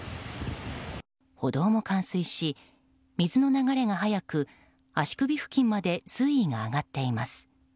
歩道も冠水し、水の流れが速く足首付近まで水位が上がっています。